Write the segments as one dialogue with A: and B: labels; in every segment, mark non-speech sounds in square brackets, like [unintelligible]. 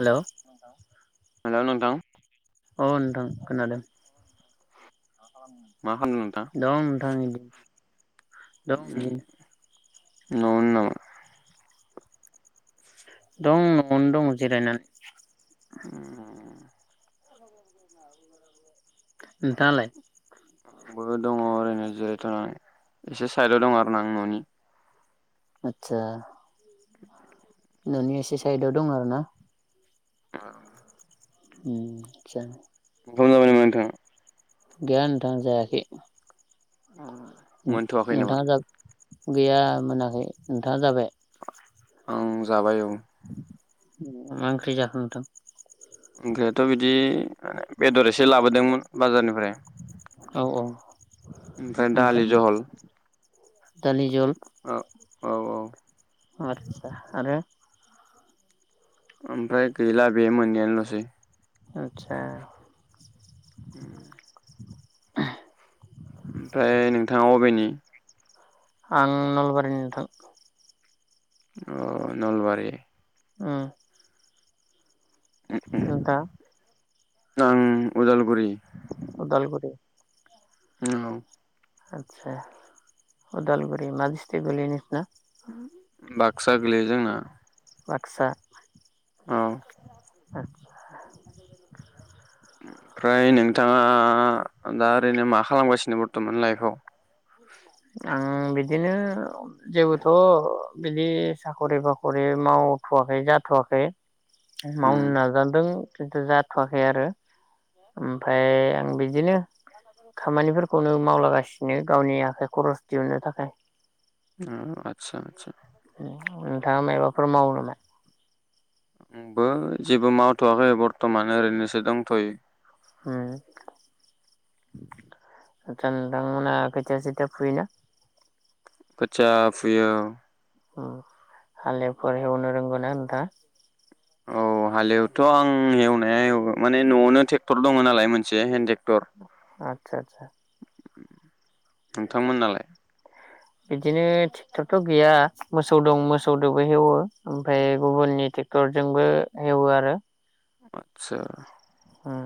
A: Hello
B: hello नोंथां
A: अ नोंथां खोनादों
B: मा खालामदों
A: दं नोंथां दं बिदिनो
B: नंगौ [unintelligible]
A: दं न'आवनो दं जिरायनानै
B: [inaudible] [inaudible]
A: नोंथाङालाय
B: आंबो दङ ओरैनो जिराय [unintelligible] एसे साइथ आव दं आरोना आं न'नि
A: आतसा
B: [inaudible]
A: नों'नि एसे साइदाव दं आरो ना
B: औ
A: उम जागोन
B: ओंखाम जाबाय नामा नोंथाङा
A: गैया नोंथां जायाखै
B: औ
A: नोंथाङा जाबाय गैया मोनाखै नोंथाङा जाबाय
B: ओं आं जाबाय औ
A: मा ओंख्रि जाखो
B: ओंख्रियाथ' बिदि माने बेदर एसे लाबोदोंमोन बाजारनिफ्राय
A: औ औ
B: ओमफ्राय दालि जहल
A: दालि जहल
B: औ औ औ
A: आचसा आरो
B: ओमफ्राय गैला बे मोननैयानोल'सै
A: आदसा
B: [inaudible] ओमफ्राय नोंथाङा अबेनि
A: आं नलबारि नोंथां
B: अ नलबारि
A: ओम
B: आं उदालगुरि
A: उदालगुरि
B: औ
A: आचसा उदालगुरि मा डिस्ट्रिग गोलैयो नोंसिना?
B: बाक्सा गोलैयो जोंना।
A: बाक्सा।
B: औ
A: आचसा।
B: ओमफ्राय नोंथाङा दा ओरैनो मा खालामगासिनो बर्थमान लाइफआव?
A: आं बिदिनो। जेबोथ' बिदि साखरि बाखरि मावथ'वाखै जाथ'वाखै।
B: उम
A: मावनो नाजादों। खिन्थु जाथ'वाखै आरो ओमफ्राय आं बिदिनो। खामानिफोरखौनो। मावलागासिनो गावनिया। थाखाय खरस दिहुननो थाखाय।
B: अ आतसा आतसा।
A: नोंथाङा माबाफोर मावो नामा?
B: आंबो जेबो मावथ'वाखै बर्थमान ओरैनोसो दंथ'यो।
A: ओम।
B: [inaudible]
A: आससा नोंथांमोनहा खोथिया सोथिया फुयोना?
B: खोथिया फुयो।
A: हालेफोर हेवनो रोंगौ ना नोंथा?
B: औ हालेवथ' आं एवनाया एवो, माने न'आवनो ट्रेक्टर दङ नालाय मोनसे, हेन्द ट्रेक्टर।
A: आतसा आसा।
B: उम। नोंथांमोन नालाय?
A: बिदिनो ट्रेक्टरथ' गैया मोसौ दं मोसौजोंबो हेवो ओमफ्राय गुबुननि ट्रेक्टरजोंबो हेवो आरो।
B: आतसा।
A: उम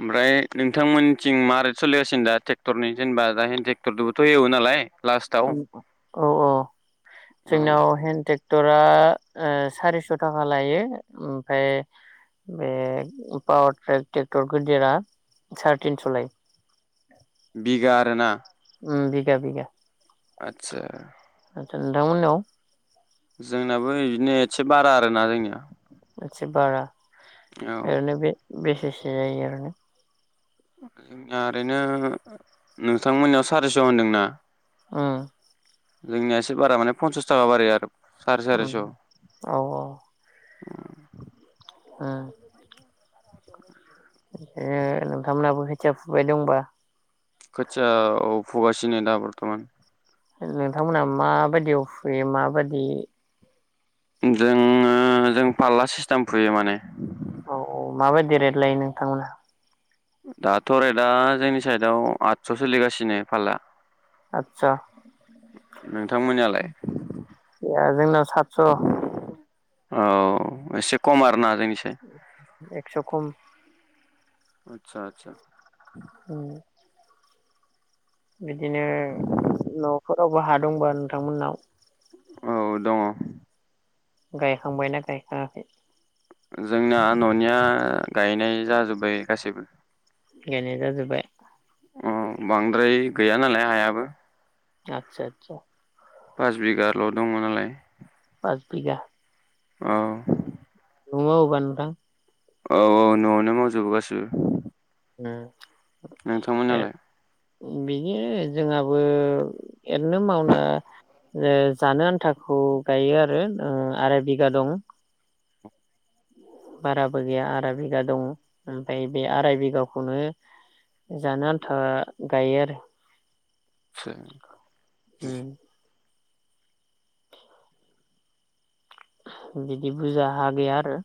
B: ओमफ्राय। नोंथांमोनथिं मारै सोलिगासिनो दा ट्रेक्टरनि जेनबा दा हेन ट्रेक्टरबोथ' एवोनालाय?
A: औ-औ
B: औ
A: जोंनियाव हेन्द ट्रेक्टर आ सारिस' थाखा लायो, ओमफ्राय बे पावार ट्रेक ट्रेक्टर गिदिरा साराय तिनस' लायो।
B: बिगा आरो ना?
A: उम बिगा बिगा।
B: आसा।
A: आचसा नोंथांमोनाव?
B: जोंनाबो बिदिनो। एसे बारा आरोना जोंनिया।
A: एसे बारा।
B: औ
A: ओरैनो बे बेसेसिम बि जायो आरो ना
B: जोंनिया ओरैनो नों थांमोननियाव सारिस' होनदोंना
A: उम
B: जोंनिया एसे बारा माने फन्सास [unintelligible] आरो साराय सारिस'
A: उ औ औ ओ ए नोंथांमोनहाबो खोथिया फुबाय दंबा?
B: खोथिया औ फुगासिनो दा बर्थमान
A: नोंथांमोनहा माबायदियाव फुयो माबायदि
B: जोङो जों फारला सिस्टेम फुयो माने
A: औ औ माबायदि रेद लायो नोंथांमोनहा?
B: दाथ' रेदा जोंनि साइदआव आदस' सोलिगासिनो फाला
A: आतस'
B: नोंथांमोननियालाय
A: जोंनाव सातस'
B: औ एसे खम आरो ना? जोंनोसै
A: एकस' खम
B: आतसा आतसा
A: ह बिदिनो न'फोरावबो हा दंब नोंथांमोननाव
B: औ दङ।
A: गायखांबायना गायखाङाखै?
B: जोंना न'निया गायनाय जाजोब्बाय गासैबो
A: गायनाय जाजोबबाय
B: ओम बांद्राय गैया नालाय हायाबो
A: आतसा आतसा
B: पास बिगाल' दङ नालाय
A: पाजबिघा
B: औ
A: दङो अब्ला नोंथां।
B: औ औ न'आवनो मावजोबो गासैबो
A: उम
B: नोंथांमोनालाय?
A: बिदिनो जोंहाबो ओरैनो मावना ओ जानो आन्थाखौ गायो आरो ओआराय बिगा दं। बाराबो गैया आराय बिगा दं ओमफाय बे आराय बिगाखौनो जानो आन्था गायो आरो
B: सा
A: उम बिदि बुरजा हा गैया आरो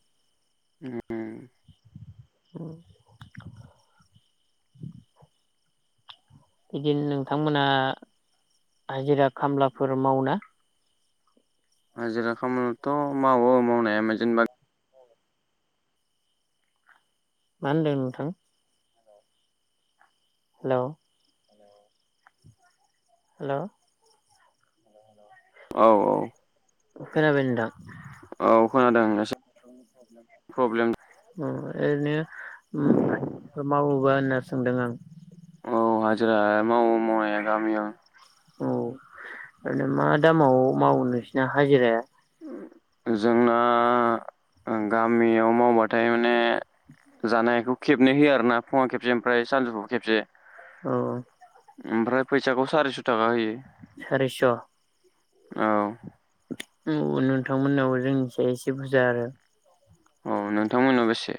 B: उम
A: [unintelligible] बिदिनो नोंथांमोना हाजिरा खामलाफोर मावोना?
B: हाजिरा खामानिथ' मावो मावनाया उमाय जेनेबा
A: मा होनदों नोंथां? हेलौ हेलौ
B: औ औ
A: खोनादो नोंथां।
B: औ खोनादों एसे प्रब्लेम
A: उम ओरैनो उम [unintelligible] खौ मावोबा होनना सोंदों आं।
B: अ हाजिरा मावो मावनाया गामियाव।
A: औ ओरैनो मा दामाव मावो नोंसिना हाजिराया?
B: जोंना ओं गामियाव मावबाथाय माने जानायखौ खेबनै होयो आरोना फुङाव खेबसे ओमफ्राय सानजौफुआव खेबसे।
A: औ
B: ओमफ्राय फैसाखौ सारिस' थाखा होयो।
A: सारिस'
B: औ
A: उम नोंथांमोननाव जोंनिसाय एसे बुजा आरो
B: अ नोंथांमोननाव बेसे?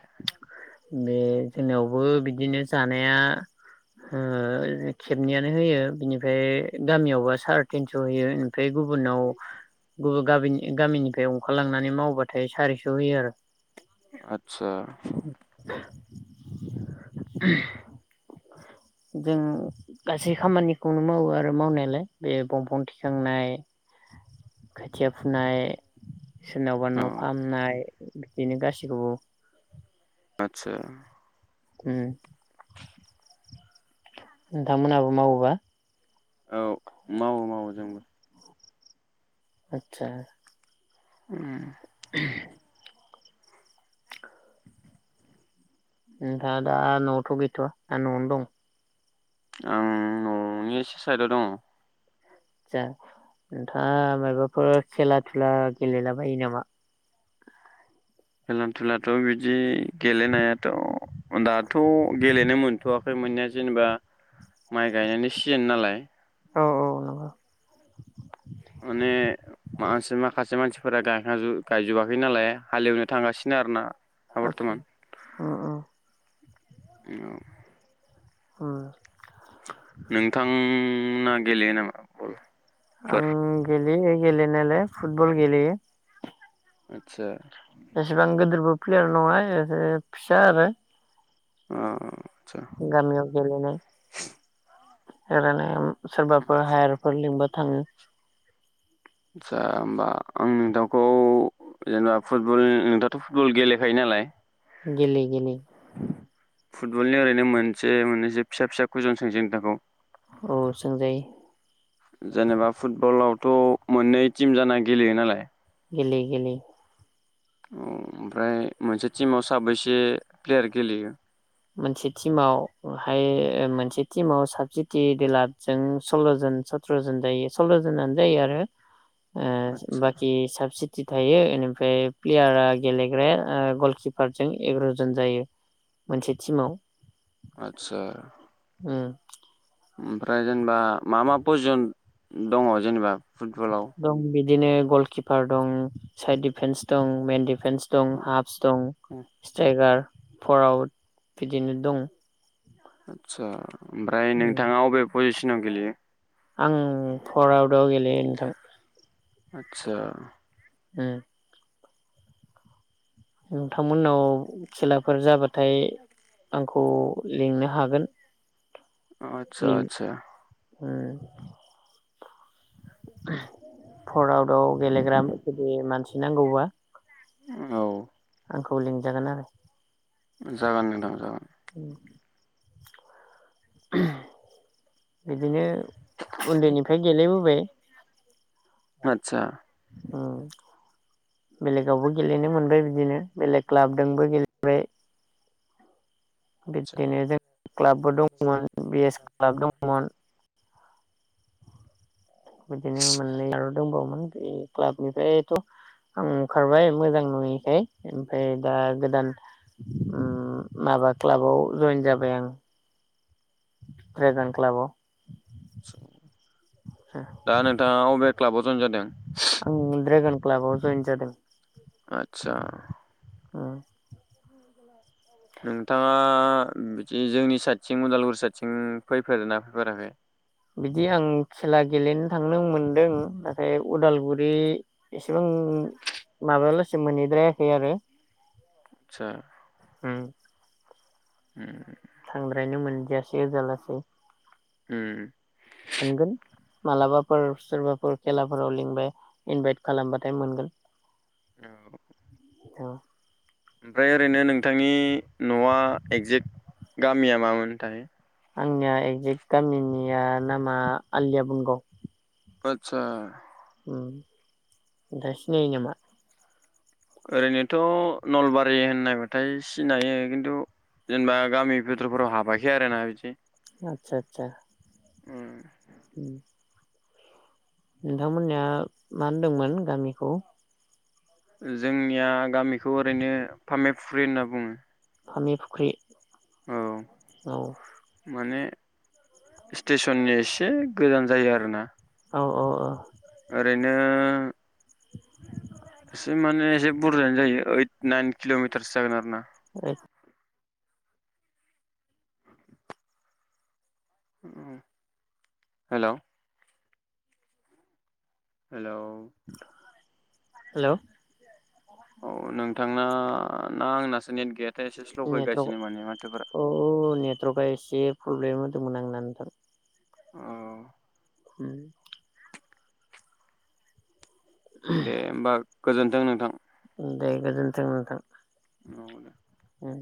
A: बे जोंनियावबो बिदिनो जानाया ओ खेबनैयानो होयो। बिनिफ्राय गामियावबा सारि तिनस' होयो ओमफ्राय गुबुननाव गुबु गाबिननि गामिनिफ्राय अंखारलांनानै मावबाथाय सारिस' होयो आरो
B: आतसा
A: उम जों गासै खामानिखौनो मावो आरो मावनायालाय बे बंफां थिखांनाय खोथिया फुनाय। सोरनावबा
B: औ
A: न' फाहामनाय बिदिनो गासिखौबो
B: आतसा
A: उम। नोंथांमोनाबो मावोबा?
B: औ मावो मावो जोंबो।
A: आतसा
B: उम।
A: [inaudible]
B: [inaudible]
A: नोंथांआ दा न'आवथ' गैथ'वा। ना न'आवनो दं?
B: आं न'नि एसे साइदाव दङ'।
A: आतसा नोंथाङा माबाफोर खेला धुला गेलेलाबायो नामा?
B: खेलान थुलाथ' बिदि गेलेनायाथ' दाथ' गेलेनो मोनथ'वा [unintelligible] मोननाया जेनेबा माइ गायनायनि सिजेन नालाय
A: औ औ नंगौ
B: माने मासे माखासे मानसिफोरा गायखां गायजोबाखै नालाय हालेवनो थांगासिनो आरोना। दा
A: आतसा उम उम।
B: औ
A: उम
B: नोंथां उम ना गेलेयो नामा बल?
A: आं गेले गेलेयो गेलेनायालाय फुटबल गेलेयो
B: आच्छा
A: एसेबां गोदिरबो प्लेयार नङा ए फिसा आरो
B: अ अ
A: गामियाव गेलेनाय एरैनो सोरबाफोर हायारफोर लिबा थाङो
B: आच्छा होमबा आं नोंथांखौ जेनेबा फुटबल नोंथाथ' फुटबल गेलेखायो नालाय?
A: गेले गेले
B: फुटबलनि ओरैनो मोनसे मोननैसो फिसा फिसा खजन सोंसै नोंथांखौ?
A: औ सोंजायो
B: जेनेबा फुटबलाव थ' मोननै टिम जाना गेलेयो नालाय
A: गेलेयो गेलेयो
B: औ ओमफ्राय मोनसे टिमाव साबैसे प्लेयार गेलेयो?
A: मोनसे टिमावहाय मोनसे टिमाव साबसित देलादजों सल्ल' जन सत्र'जन जायो सल्ल' जनानो जायो आरो ओ
B: आदसा
A: बाखि साबसि ति थायो इनिफ्राय प्लेयारा गेलेग्र गलकिप फारजों एग्र'जन जायो मोनसे टिमाव
B: आच्छा
A: उम
B: ओमफ्राय जेनेबा मा मा प्रयजन दङ जेनेबा? फुटबलाव?
A: दिनो गलकिपार दं साइड डिफेन्स दं मेन दिफिन्सस दं हाफस दं स्ट्राइगार फरवार्द बिदिनो दं।
B: आच्छा ओमफ्राय
A: उम
B: नोंथाङा अबे पजिस नाव गेलेयो
A: आं फरवार्दाव गेलेयो नोंथां।
B: आच्छा
A: उम। नोंथांमोननाव खालाफोर जाबा थाय आं खौ लिंनो हागोन।
B: आतसा
A: लिं
B: आतसा ।
A: उम। फरवार्दाव गेलेग्रा जुदि मानसि नांगौबा
B: औ।
A: आंखौ लिंजागोन आरो
B: जागोन नोंथां जागोन।
A: बिदिनो उन्दैनिफ्राय गेलेबोबाय
B: आतसा ।
A: उम। बेलेगावबो गेलेनो मोनबाय बिदिनो बेलेग क्लाबजोंबो गेलेबाय। बिब्दिनो जों क्लाबबो दंमोन बि एस क्लाब दंमोन बिदिनो मोननै आर दंबावोमोन बे क्लाबनिफ्रायथ' आं ओंखारबाय मोजां नुयैखाय ओमफ्राय दा गोदान उम माबा क्लाबाव जइेन जाबाय आं। द्रागन क्लाबआव
B: दा नोंथाङा अबेहाय क्लाबाव जयेन जादों?
A: आं ड्रागान क्लाबाव जइन जादों।
B: आतसा ।
A: उम ।
B: नोंथाङा बिदि जोंनि साइडथिं उदालगुरि साइडथिं फैफेरदोना फैफेराखै।
A: बिदि आं खेला गेलेनो थांनो मोनदों नाथाय उदालगुरि एसेबां माबायालासे मोनहैद्रायाखै आरो।
B: आतसा ।
A: उम।
B: उम।
A: थांद्रायनो मोनदियासै ओजालासे
B: उम।
A: मोनगोन मालाबाफोर सोरबाफोर खेलाफोराव लिंबाय इनभाइट खालामबाथाय मोनगोन।
B: औ
A: हेल'
B: ओमफ्राय ओरैनो नोंथांनि न'आ एगजेक्ट गामिया मामोन थाय?
A: आंनिया एक्जेक्ट गामिनिया नामा आलिया बुंग'व
B: आतसा।
A: उह नोंथांआ सिनायो नामा?
B: ओरैनोथ' नलबारि होननायबाथाय सिनायो खिन्थु जोंना गामि भितुरफोराव हाबाखै आरोना बिदि।
A: आतसा आतसा।
B: उम
A: उम नोंथांमोननिया मा होनदोंमोन गामिखौ?
B: जोंनिया गामिखौ ओरैनो फामेफुख्रि होनना बुङो।
A: फामि फुख्रि।
B: औ
A: औ
B: माने स्टेसननि एसे गोजान जायो आरो ना।
A: औ औ औ
B: आरोरैनो एसे माने एसे बुरजायानो जायो ओइद नाइन किलमिटारसो जागोन आरो ना।
A: [unintelligible]
B: Hello hello
A: hello.
B: औ नोंथांना ना आंनासो नेट गैया
A: नेट्रवार्क औ नेट्रवार्कआ एसे प्रब्लेम होदोंमोन आंना नोंथां।
B: औ
A: उम
B: दे होमबा गोजोन्थों नोंथां।
A: दे गोजोन्थों नोंथां।
B: औ दे
A: ओं